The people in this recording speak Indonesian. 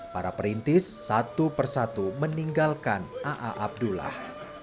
para perintis satu persatu meninggalkan aa abdullah